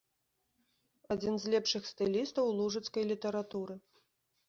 Адзін з лепшых стылістаў лужыцкай літаратуры.